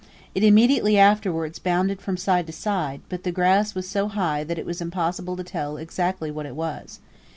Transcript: It immediately afterwards bounded from side to side, but the grass was so high that it was impossible to tell exactly what it was.